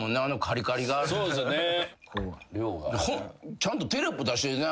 ちゃんとテロップ出してな。